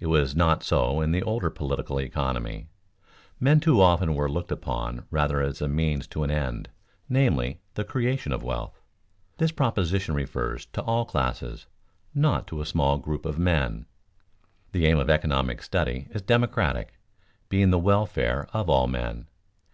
It was not so in the older political economy; men too often were looked upon rather as a means to an end, namely, the creation of wealth. This proposition refers to all classes, not to a small group of men. The aim of economic study is democratic, being the welfare of all men.